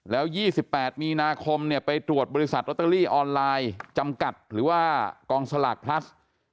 แล้ว๒๘มีนาคมไปตรวจบริษัทลอตเตอรี่ออนไลน์จำกัดหรือว่ากองสลากพลัส